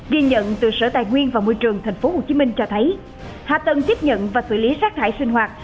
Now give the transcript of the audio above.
ghi nhận từ sở tài nguyên và môi trường tp hcm cho thấy hạ tầng tiếp nhận và xử lý sát thải sinh hoạt